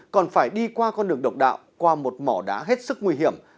còn phải đi qua con đường độc đạo qua một mỏ đá hết sức nguy hiểm